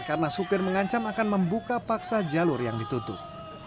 karena supir mengancam akan membuka paksa jalur yang ditutup